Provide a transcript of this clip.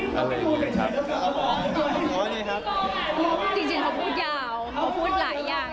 จริงจริงเขาพูดยาวเขาพูดหลายอย่าง